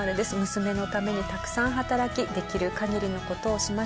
娘のためにたくさん働きできる限りの事をしました。